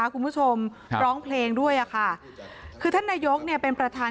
คุณผู้ชมร้องเพลงด้วยค่ะคือท่านนายกเนี่ยเป็นประธาน